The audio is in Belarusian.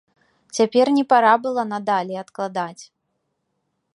Цяпер не пара была надалей адкладаць.